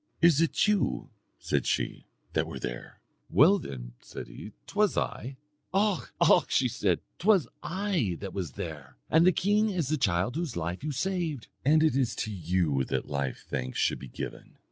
"Is it you," said she, "that were there?" "Well then," said he, "'t was I." "Och! och!" said she, "'t was I that was there, and the king is the child whose life you saved; and it is to you that life thanks should be given."